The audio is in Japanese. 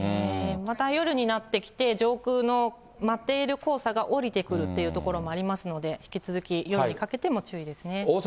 また夜になってきて、上空の舞っている黄砂が下りてくるという所もありますので、引き続き夜にかけても注意ですね。